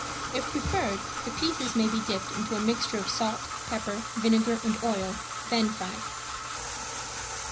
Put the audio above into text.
If preferred, the pieces may be dipped into a mixture of salt, pepper, vinegar and oil, then fried.